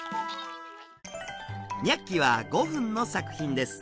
「ニャッキ！」は５分の作品です。